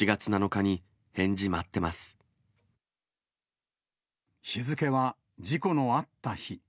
日付は、事故のあった日。